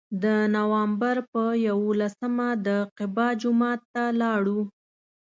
د نوامبر په یولسمه د قبا جومات ته لاړو.